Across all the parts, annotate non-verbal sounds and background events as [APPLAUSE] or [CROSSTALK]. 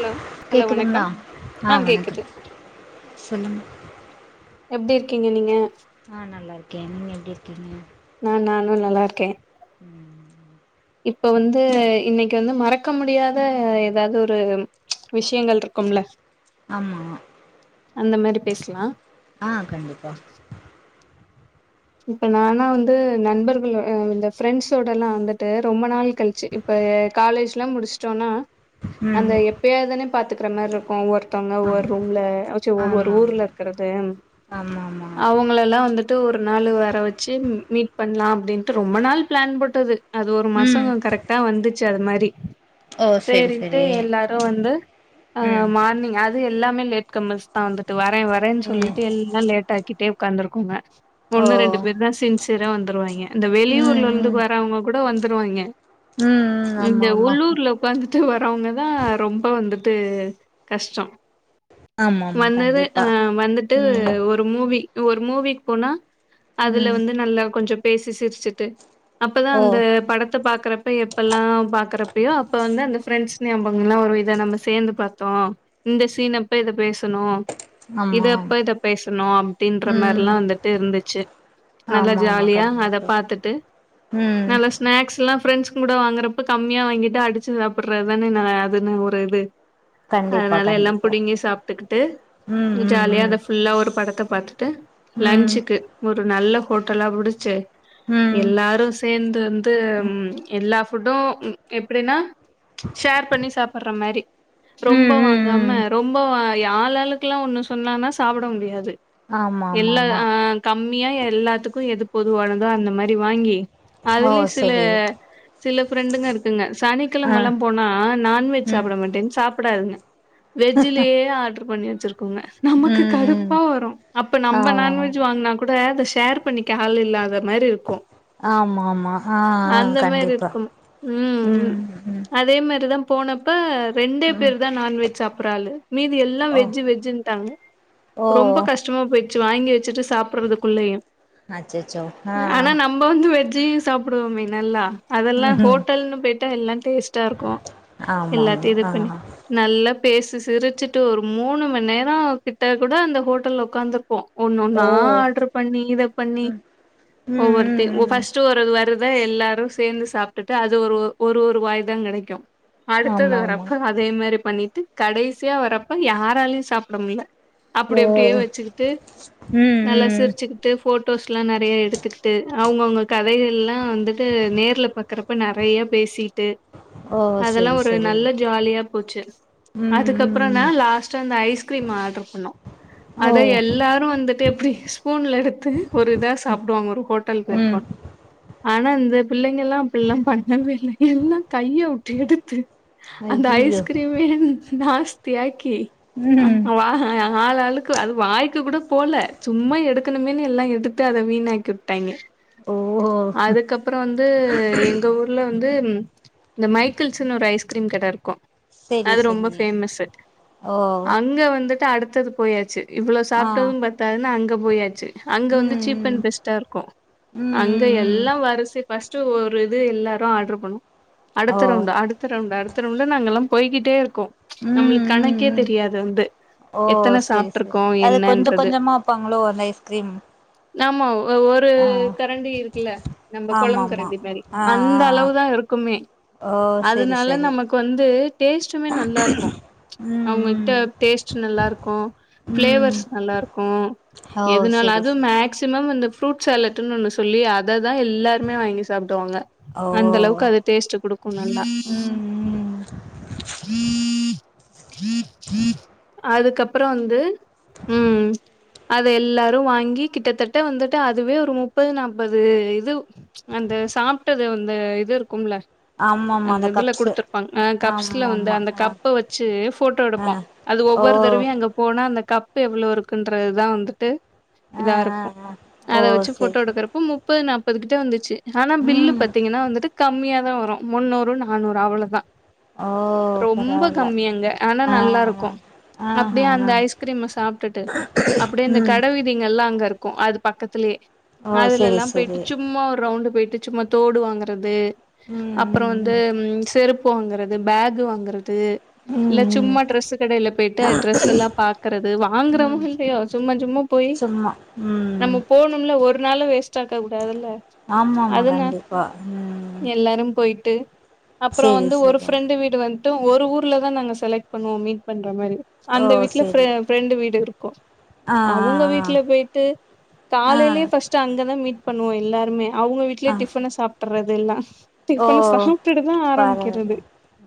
Hello hello கேக்குதுங்ளா வணக்கம் ஆ ஆஹ் கேக்குது வணக்கம் சொல்லுங் எப்டி இருக்கீங்க நீங்க ஆஹ் நல்லாருக்கே நீங்க எப்டி இருக்கீங்க நா நல்லாருக்கே ம் இப்ப வந்து இன்னைக்கு வந்து மறக்க முடியாத எதாது ஒரு ப்ச் விஷயங்கள் இருக்கும்ல்ல ஆமா அந்த மாரி பேசலா ஆ கண்டிப்பா இப்ப நானானு வந்து நண்பர்களோ இந்த ஃப்ரெண்ட்ஸோட எல்லா வந்துட்டு ரொம்ப நாள் கழிச்சு இப்ப காலேஜ் எல்லா முடிச்சுட்டோனா ம் அந்த எப்பயாதுன்னே பாத்து க்கிற மாரிருக்கு ஒர் தவ்ங்க ஆமா ஒரு ரூம்ல ச்சே ஒவ்வொரு ஆமா ஊர்ல இருக்கிறது ஆமா ஆமா அவங்கள எல்லா வந்துட்டு ஒரு நாள்லு வர வெச்சு மீட் பண்லா அப்டின்ட்டு ரொம்ப நாள் பிளான் போட்டது அது ஒரு மாசோ ம் கரெக்டா வந்துச்சு அது மாரி ஓ செரி சேரின்ட்டு செரி எல்லாரு வந்த ம் மானிங் அது எல்லாமே லேட் கம்மர்ஸ் த்தான் வந்துட்டு வரேன் வரேன்னு ம் சொல்லிட்டு எல்லா லேட் ஆக்கிட்டே உக்காந்துருக்குங்க ஓ ஒன்னு ரெண்டு பேர் தா செஞ்சு சியரா வந்துடுவாங்கே இந்த ம் வெளியூர்லருந்து ம் வரவங்க கூட வந்து வந்ருவாங்க ம் ம் ஆமா இந்த ஆமா உள்ளூர்ல உட்காந்துட்டு வரவங்கதா ரொம்ப வந்து ட்டு கஷ்டம் ஆமா ஆமா வந்தது கண்டிப்பா அ வந்துட்டு ம் ஒரு மூவி ஒரு மூவிக்கு போனா அதுல ம் வந்து நல்லா கொஞ்சம் பேசி சிரிச்சுட்டு அப்பதா ஓ அந்த படத்த பாக்றப்ப எப்பெல்லாம் பாக்றப் அப்டியோ அப்ப வந்து அந்த ப்ரெண்ட்ஸ்ங்க எல்லாம் ஒரு இதை நம்ம சேந்து பாத்தோ இந்த சீனப்ப இத பேசுனோ இத ஆமா அப்ப இத பேசுனோ அப்டின்ற ம் மாரில்லா வந்துட்டு இருந்துச்சு து நல்ல ஆமா ஆமா ஜாலியா அத கண்டிப்பா பாத்தட்டு ம் நல்லா ஸ்நாக்ஸ்லா நா ஃப்ரெண்ட்ஸ்ங்க கூட வாங்குறப்ப கம்மியா வாங்கிட்டு அடிச்சு சாப்படுறதுதானே அதுன்னு ஒரு இது கண்டிப்பா அதனால எல்லாம் கண்டிப்பா புடிங்கி சாப்பிட்டுக்கிட்டு ம் ஜாலியா ம் அத ஃபுல்லா ஒரு படத்தை பாத்துட்டு ம் ம் லன்ஞ்சுக் ஒரு நல்ல ஹோட்டலா புடுச்சு ம் எல்லாரும் சேந்து வந்து எல்லா ஃபுட்டு எப்டின்னா. ஷேர் பண்ணி சாப்பிடுற மாரி ம் ரொம்ப ம் வாங்காமா ம் ரொம்ப வா தி ஆளாளுக்குல்லாம் ஒண்ணு சொன்னனா சாப்ட முடியாது ஆமா ஆமா ஆமா நீ யா எல்லாத்துக் க்கு எது பொதுவானதோ அந்த மாரி வாங்கி ஓ அதுலயு சில சரி சில ஃப்ரண்டுங்க இருக்குங்க ஆ சனிக்கிழமெல்லா போனா நான்வெஜ் ம் சாப்ட மாட்டேன்னு சா சாப்டாதுங்க வெஜ் லேயே ஆர்டர் பண்ணி ங்க நமக்கு ம் ம் கடுப்பா வரும் அப்ப நம்ம ஆமா நான்வெஜ் வாங்னாகூ அத ஷேர் பண்ணிக்க ஆள் இல்ல அத மாரி இருக்கோ ஆமா ஆமா ஆ ஆ அந்த மாரி கண்டிப்பா இருக்கும் உம் ம் ம் அதே மாரிதா. போனப்ப. ரெண்டே ம் பேரு தான் நான் வெஜ் சாப் சாப்புட்ற ஆளு மீதி எல்லா ஓ வெஜ்ஜு வெஜ்ஜுன்டாங்க ஓ ரொம்ப கஷ்டமா போயிட்டு. வாங்கி வெச்சுட்டு சாப் ப்றதுக்குள்ளேயு அச்சச்சோ ஆஹ் ஜீ சாப்புடுவோமே நல்லா அதெல்லா ம் ஹோட்டல்னு போயிட்டா எல்லா டேஸ்ட்டா இருக்கும் ஆமா எல்லாத்தையும் இது ஆமா பண்ணி ஆ நல்லா பேசி சிரிச்சுட்டு ஒரு மூணு மணி நேரோ கிட்ட கூட அந்த ஹோட்டல்ல ஒக்காந்துட்டு இருப்போ ஒன்னு ஒன்னா ஓ ஆ ஆர்டர் பண்ணி இத பண்ணி ம் ம் ஒவ்வொருத்தி ம் ம் ஃபர்ஸ்ட் வருத எல்லாரு சேந்து சாப்டுட்டு அது ஒரு ஒரு ஒரு வாய் தா கெடைக்கும் அடுத்தது ஆமா ஆமா வரப்ப அதே மாரி பண்ணி கடைசியா வரப்ப யாராலயு சாப்டமுடில அப்டி ஓ அப்டியே வெச்சுகிட்டு ம் நல்லா ம் சிரிச்சுக்கிட்டு போ போட்டோஸ்லாம் நெறைய எடுத்துக்கிட்டு அவுங்கவுங்க கதையெல்லா வந்துட்டு நேர்ல பக்கறப்ப நெறைய பேசிட்டு ஓ அதெல்லா சரி ஒரு சரி நல்ல ஜாலியா போச்சு ம் ம் அதுக்கப்புறம் தா ம் லாஸ்டா அந்த ஐஸ் கீரிம் ஆடர் பண்ணோ ஓ அத எல்லாரு வந்து எப்டி ஸ்பூன்ல எடுத்து ஒரு இதா சாப்புடுவாங்க ஒரு ஹோட்டல போய் ம் ஒக்காந் ஆன அந்த பிள்ள ங்க எல்லா அப்டில்லா பண்ணவே இல்ல எல்லாம் கையை உட்டு எடுத்து அந்த ஐயையோ ஐஸ்கிரீம் ஏ நாஸ்தியாக்கி கி ம் ஆஹ வா ஆள்ஆளுக்கு அது வாய்க்கு கூட போல சும்மா எடுக்கனுமேன்னு எல்லா எடுத்து அத வீணாக்கி விட்டாங்க ஓ அதுக்கப்புறம் வந்து எங்க ஊர்ல வந்து இந்த மைக்கிஸ்னு ஒரு ஐஸ்கிரீம் கட இருக்கு செரி அது ரொம்ப செரி ஃபேமசு ஓ அங்க வந்துட்டு அடுத் [UNINTELLIGIBLE] போயாச்சு இவ்ளோ ஆ சாப்ட்டது ப அங்க போயாச்சு அங்க வந்து சீப் ம் அண்ட் ம் பெஸ்டாருக்கு ம் அங்க ம் ம் எல்லா வரிச ஃபஸ்ட்டு ஒரு இது எல்லாரு ஆட்ரு பண்ணோ ஓ அடுத்த ரவுண்டு அடுத்த ரவுண்டு அடுத்த [UNINTELLIGIBLE] நாங்கல்லா போய்கிட்டேரு க்கும் ம் நம்ளுக்கு ம் கணக்கே ம் தெரியாது வந்து ஓ எத்தன சாப்ட்ருக்கோ என்னன்றது ப்பாங்ளோ அந்த ஐஸ்கிரீம் ஆமா மா வ ஒரு ஆ கரண்டி இருக்குல நம்ம ஆமா கொழம்பு ஆமா கரண்டி மேரி ஆ அந்த ஆ அளவு தா இருக்குமே ஆ ஓ செரி அதனால செரி நமக்கு வந்து டேஸ்ட்டுமே நல்லாருக்கு அவங்ககிட்ட ம் டேஸ்ட் நல்லாருக்கு ம் ம் ஃப்ளேவர்ஸ் நல்லாருக்கு ம் ஓ இதுனால செரி அது செரி மேக்சிமம் இந்த ஃப்ரூட் சேலட்ன்னு ஒன்னு சொல்லி அத தா எல்லாருமே வாங்கி சாப்டுவாங்க ஓ அந்த அளவுக்கு அது டேஸ்ட்டு குடுக்கு நல்லா ம் ம் அதுக்கப்ற வந்து ம் அது எல்லாரு வாங்கி கிட்டத்தட்ட வந்துட்டு அதுவே ஒரு முப்பது நாப்பது இது அந்த சாப்ட்டது அந்த இது இருக்கும்ல ஆமா ஆமா அந்த இதுல கப்ஸு குடுத்துருப்பாங்க ஆ கப்ஸ்ல ஆமா வந்து ஆமா அந்த ஆ கப்ப வச்சு ஃபோட்டோ ஆ எடுப்போ அது ஓ ஒவ்வொரு தரவையு அங்க போனா அந்த கப் ப்பு எவ்ளோருக்கு க்குன்றது தா வந்துட்டு ஆ ஆ இதாருக்கு ஆ ஓ அத வச்சு செரி ஃபோட்டோ செரி எடுக்கறப்போ முப்பது நாப்பது முப்பது கிட்ட வந்துச்சு ஆனா பில்லு ம் பாத்தீங்னா வந்துட்டு கம்மியா தா வரு முண்ணுறு நானூறு அவ்ளதா ஓ ரொம்ப பரவால்ல கம்மி அங்க ஆனா ஆ ஆ நல்லாருக்கு அப்டே ஆஹா அந்த ஆ ஐஸ்கிரீம சாப்ட்டுட்டு அப்டே இந்த ம் கட வீதி ங்கெல்லா அங்கருக்கு அது பக்கத்துலே ஓ அதுல செரி லெல்லா போயிட்டு செரி சும்மா ஒரு ரவுண்டு போயிட்டு சும்மா தோடு வாங்கறது ம் அப்ற வந்து ம் ம் செருப்பு ப்பு வாங்கறது பேஹூ வாங்கறது து இல்ல ம் ம் சும்மா டிரெஸ்ஸு கடைல பேயிட்டு அது டிரெஸ் எல்லா பாக்கறது வாங்குறவ ம் இல் ஐயோ சும்மா சும்மா போய் சும்மா ம் நம்ம போணும்ல ஒரு நாள வேஸ்ட் ஆக்க கூடாதுல்ல ஆமா ஆமா அதுனா கண்டிப்பா உம் ட்டு அப்புறம் வந்து ஒரு ஃப்ரெண்டு வீடு வந் டு ஒரு ஊர்ல தான் நாங்க செலக்ட் பண்ணுவோம் மீட் பண்ற மாரி ஓ அந்த வீட்ல ஃப்ர செரி ஃப்ரெண்டு வீடு இரு கோ ஆ ஆ அவங்க வீட்ல போயிட்டு ஆ காலேலயே ஃபஸ்டு அங்கதான் மீட் பண்ணுவோ எல்லாருமே அவுங்க ஆ வீட்லயே ஆ டிஃபன சாப்ட்டற்றது அதெல்லாம் ஓ டிஃபன்ன சாப்ட்டுட்டு தான் பரவால்ல ஆரம்பிக்கிறது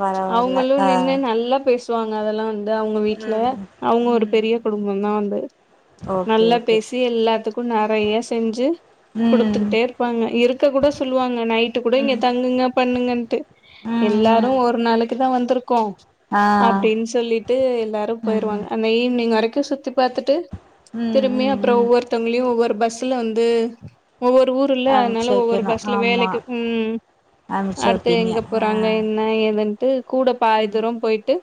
பரவால்ல அவுங்களும் ஆ நின்னு நல்லா பேச ஸோ அங்க அதெல்லாம் வந் து அவுங்க வீட்ல ம் அவுங்க ஒரு ம் பெரிய குடும்பம் தான் வந்து ஓகே நல்லா ஓகே பேசி எல்லாத்துக்கும் நெறைய செஞ்சு ம் குடுத்துக்கிட்டே இருப்பாங்க இருக்க கூட சொல்லுவாங்க நைட்டு கூட இங்க ம் தங்குங்க பண்ணுகன்ட்டு ம் ம் எல்லாரும் ஒரு நாளைக்குத் தா வந்துருக்கோம் ஆ அப்டின்னு சொல்லிட்டு எல்லாரும் ம் போயிருவாங்க அந்த ஈவ்னிங் வரைக் சுத்தி பாத்துட் ட்டு ம் திரும்பி ம் அப்புறம் ம் ஒவ்வொர்தங்களயும் ஒவ்வொரு பஸ் பஸ்ல வந்து ஒவ்வொரு ஊருல்ல அனுப்ச்சு அதுனால ஒவ்வொரு வைக்கணு பஸ்ல ஆமா வேலைக்கு உம் அனுப்ச்சு அடுத்து வைப்பீங்க எங்க ஆ போறாங்க என்ன ஏதுன்ட்டு கூட பாதி ம் தூரம் போயிட்டு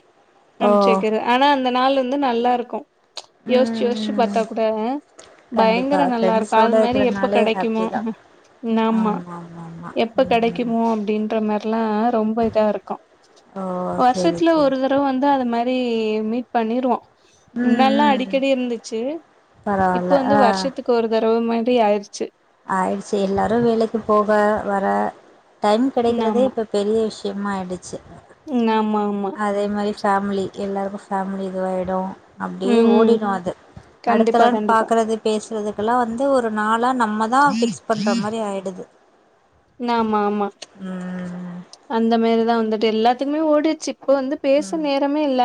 ஓ அமுச்சு வைக்கருது ஆனா அந்த நாலு வந்து நல்லாருக்கும் ச் யோசுச்சு ம் யோசுச்சு ம் பாத்தா கூட ஆஹ் கண்டிப்பா பயங்கர நல்லாருக்கும் ஃப்ரெண்ட்ஸோட அது மாரி எப்ப இருக்கிறனாலே கெடைக்குமோ ஹாப்பி தா ஆஹ் ஆமா ஆமா ஆமா எப்ப ம் கெடைக்குமோ அப்டின்ற மாரி [UNINTELLIGIBLE] ரொம்ப இதாருக்கும் ஓ செரி வருஷத்துல செரி ஒரு தடவ வந்து அது மாரி இப்டி மீட் பண்ணிருவோம் ம் முன்னாடிலா ம் அடிக் இருந்துச்சு இப்ப பரவால்ல வந்து ஆ வருஷத்துக்கு ஒரு தடவ மாரி ஆயிருச்சு ஆயிடுச்சு எல்லாரும் வேலைக்கு போக வர டைம் கெடைக்கறதே இப்ப பெரிய விஷ் டிம்மாய்டுச்சி நம் அதே மாரி ஃபேமிலி எல்லாருக்கு ஃபேமிலி இதுவாயிடு அப்டியே ம் ஓடிரு அது கண்டிப்பா அடுத்தலான் கண்டிப்பா பாக்கறது பேசுறதுக்கெல்லா வந்து ஒ ரு நாளா ந ம்மதா ஃபிக்ஸ் பண்ற மாரி ஆயிடுது நா மாமா ம் அந்த மாரிதா வந்துட் த்து எல்லாத்துக்குமே ஓடிச்சு இப்ப வந்து பேச ம் நேரமே இல்ல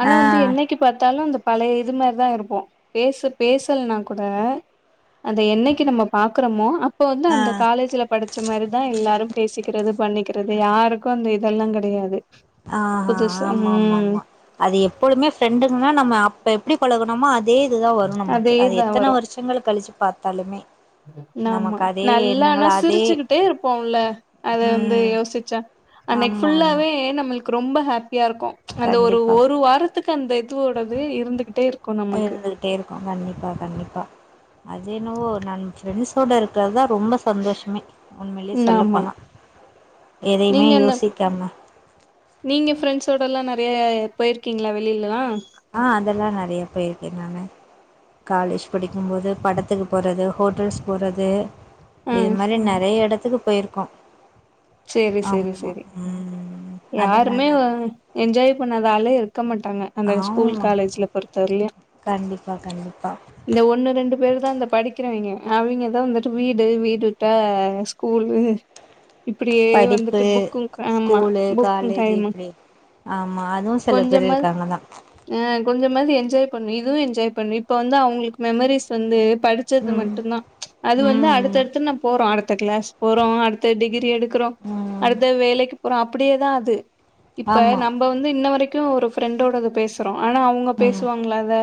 ஆனா ஆ வந்து என்னைக்கு பாத்தாலு அந்த பழைய இது மாரிதா இருப்போ பேசு பேசல்னா கூட அத என்னைக்கு நம்ம பாக்கறமோ அப்ப வந்து ஆ அந்த காலேஜ்ல டச்ச மாரிதா எ ல்லாரும் பேசிக்றது பண்ணிக்றது யாருக்கு அந்த இதெல்லாங் கெடையாது புதுசு ம் ஆஹாஆமாம்மாம்மா அது எப்பொழுமே ஃபிரண்டுங்கனா நம்ம இப்ப எப்டி பழகனமோ அ தே இது தா வரு நமக்கு அது அதேதா எத்தன வருஷங்கள் கழிச்சு பாத்தாலுமே நாமா நமக்கு அதே நல்லா ஆனா எண்ணங்கள் அதே சிரிச்சுக்கிட்டே இருப்போல்ல அத வந்து ம் யோசிச்சா அன்னைக் ஆமா ஆமா ஃபுல்லாவே நம்ள் க்கு ரொம்ப ஹேப் யாருக்கு அந்த ஒரு கண்டிப்பா ஒரு வாரத்துக்கு அந்த இதுவோடதே இருந்துகிட்டே இருக்கு நமக்கு இருந்துகிட்டே இருக்கு கண்டிப்பா கண்டிப்பா அது என்னவோ நான் ஃப்ரெண்ட்ஸோட இருக்கறதா ரொம்ப சந்தோஷமே உண்மைலியே ஆமா சொல்லப்போனா எதையுமே நீங்க அந்த யோசிக்காம டல்லா நறைய பொய்ருக்கீங்ளா வெளிலல்லா ஆ அதெல்லா நறைய பொய்ருக்கே நானு காலேஜ் படிக்கும் போது படத்துக்கு போறது ஹோட்டல்ஸ் போறது ஆ இது மாரி நறைய எட த்துக்கு பொய்ருக்கோ சேரி செரி செரி அதெல்லா யாருமேவ நெறைய என்ஜாய் பண்ணாத ஆளே இரு க்க மாட்டாங்க அந்த ஸ்கூல் ஆமா காலேஜ்ல பொறுத்தவரைலியு கண்டிப்பா கண்டிப்பா இந்த ஒண்ணு ரெண்டு பேர் தா இந்த படிக்கிறவிங்க அவிங்கதா வந்துட்டு வீடு வீடு விட்டா ஸ்கூலு இப்டியே படிப்பு வந்துட்டு புக்கு ஆமா ஸ்கூலு புக்கு காலேஜு டைமு இப்டி ஆமா அதுவு செல பேர் இருக்காங்கதா கொஞ்சோமாது என்ஜாய் பண்ணு இதுவு என்ஜாய் பண்ணு இப்போ வந்து அவுங்ளுக்கு மெமரிஸ் வந்து படிச்சது ம் மட்டு தா ப்ளீச் அது வந்து ம் அடுத்தடுத்து நா போறோ அடுத்த அடுத்த கிளாஸ் போறோ அடுத்த டிகிரி க்ரேடு க்கறோ ம் அடுத்த வேலைக்கு போறோ அப்ப அப்டியே தா அது இப்ப ஆமா நம்ம வந்து இன்ன வரைக் க்கு ஒரு ஃப்ரெண்டோடது பேச ப்போம் ஆனா அவங்க ம் பேசுவாங்கள அத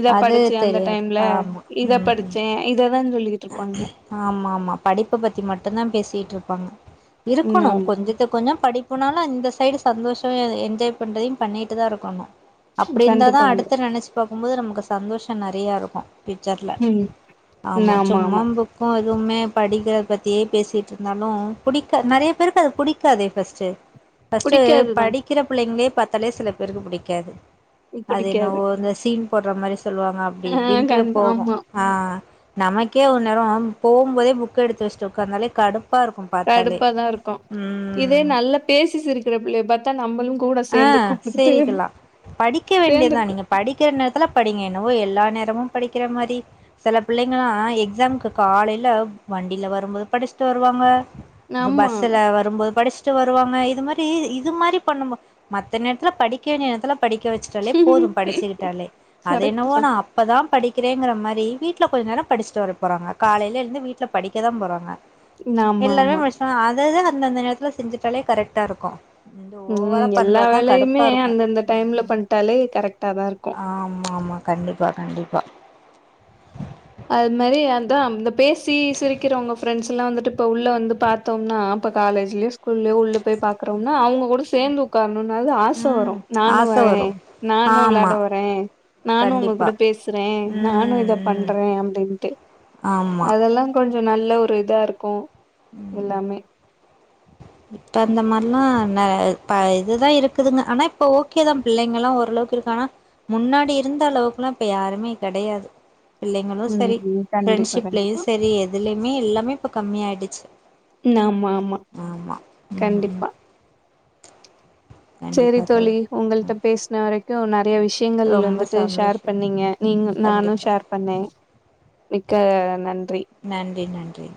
இத அது படிச்சன் அந்த தெரியாது டைம்ல ஆமா இத ம் ம் படிச்சன் இத ஆமா ஆமா படிப்ப பத்தி மட்டும்தான் பேசிட்டு இருப்பாங்க ம் இருக்கணும் ஆமா கொஞ்சத்து கொஞ்சம் படிப்புனாலும் இந்த சைடு சந்தோஷம் எ என்ஜாய் பண்ணுறதயும் பண்ணிட்டு தான் இருக்கணும் அப்படி கண்டிப்பா இருந்தாதான் அடுத்து கண்டிப்பா நெனச்சுப்பா போம்போது நமக்கு சந்தோஷம் நெறயா இருக்கும் ஃபியுச்சர்ல ம் ஆமாம் ஆமா சும்மா ஆமா புக்கும் அது எப்புமே படிக்கறத பத்தி பேசிட்டு இருந்தாலும் புடிக்க நெறய பேருக்கு அது புடிக்காதே ஃபர்ஸ்ட்டு ஃபர்ஸ்ட் புடிக்காதுதா படிக்கிற புள்ளைங்களே பாத்தாலே சில பேருக்கு புடிக்காது அது புடிக்காது என்னவோ இந்த சீன் போடற மாரி சொல்லுவாங்க அப்படி ஆ இப்படின்ட்டு கண் போகும் ஆமா ஆஹ் நமக் கே ஒரு நேரம் போம்போதே புக் எடுத்து வச்சுட்டு உக்கந்தாலே கடுப் கடுப்பாதான் இருக்கும் இதே ம் நல்லா பேசி சிரிக்கற பிள்ளைய பாத்தா நம்பளும் ஆஹ் செரிக்கல்லா படிக்க சேந்து வேண்டிதான் உக் நீங்க படிக்கற நேரத்தல படிங்க என்னவோ எல்லா நேரமும் படிக்கற மாரி சில பிள்ளைங்களாம் எக்ஸாம்கு காலையில வண்டியில வரும்போது படிச்சுட்டு வருவாங்க ஆமா பஸ்ல வரும்போது படிச்சு ச்சு வருவாங்க இது மாரி இது மாரி பண்ணும்போ மத்த நேரத்தல படிக்கற நேரத்தல படிக்க வச்சுட்டாலே போதும் படிச்சுக்கிட்டாலே அத கரெக்ட் என்னவோ தா நான் அப்பதான் படிக் கிரேங்கிற மாரி வீட்ல கொஞ்ச நேரம் படிச்சிட்டு வர போறாங்க காலையில எழுந்து வீட்ல படிக்க தான் போறாங்க ஆமா எல்லாமே ஆமா முடிச்சுட்டாங்க ஆது அது அது அந்தந்த நேரத்தல செஞ்சுட்டாலே கரெக்டா இருக்கும் இது ம் ஓவரா எல்லா பண்றதுதா வேலயுமே கடுப்பா இருக்கு அந்தந்த டைம்ல பண்ட்டாலே கரெக்டா தான் இருக்கும் ஆமா ஆமா கண்டிப்பா கண்டிப்பா அது மாரி அதான் இந்த பேசி சிரிக்கறவங்க ஃப்ரெண்ட்ஸ் எல்லாம் வந்ட்டு இப்ப உள்ள வந்து பாத்தோம்னா இப்ப காலேஜ்லயோ ஸ்கூல்லயோ உள்ள போய் பாக்கறோம்னா அவுங்க கூட சேந்து உக்காரணுனாது ஆச ம் வரும் ஆச நானும் வரு வரேன் நானும் ஆமா விளாட வரேன் நானும் உங்க கண்டிப்பா கூட பேசுறேன் நானும் ம் இத பண் ம் பண்ரே அப்டின்டு ஆமா அதெல்லா கொ நல்ல ஒரு இதா இருக்கும் எல்லாமே இப்ப அந்த மாரிலாம் ந ப இ இதுதான் இருக்குதுங்க ஆனா இப்ப ஓகேதான் பிள்ளைங்கலாம் ஓரளவுக்கு இருக்காங்க ஆனா முன்னாடி இருந்தளவுக்குலாம் இப்ப யாருமே கெடையாது பிள்ளைங்களும் சரி ம் கண்டிப்பா கண்டிப்பா ஃப்ரெண்ட்ஷிப்லயும் சரி எதுலயுமே எல்லாமே இப்ப கம்மிய ஆயிடுச் நா ஆம்மா ஆம்மா ம் ம் கண்டிப்பா சேரி தோழி உங்கள்ட்ட ம். பேசின வரைக் கு ந நிறைய விஷ்யங்கள் ரொம்ப வந்துட்டு ஷேர் சந்தோஷம் பண்ணீங்க நீங்க நானும் கண்டிப்பா ஷேர் பண்ணே மிக்க நன்றி நன்றி நன்றி